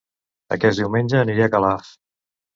Aquest diumenge aniré a Calaf